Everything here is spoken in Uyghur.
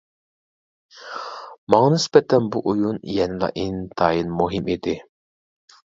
ماڭا نىسبەتەن بۇ ئويۇن يەنىلا ئىنتايىن مۇھىم ئىدى.